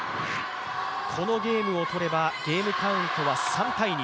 このゲームを取ればゲームカウントは３−２